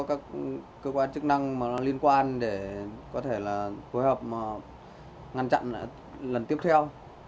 các cơ quan chức năng mà nó liên quan để có thể là phối hợp ngăn chặn lần tiếp theo